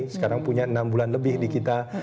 sekarang punya enam bulan lebih di kita